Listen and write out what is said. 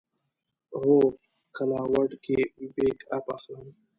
هو، کلاوډ کې بیک اپ اخلم